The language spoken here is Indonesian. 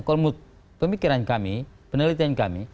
kalau menurut pemikiran kami penelitian kami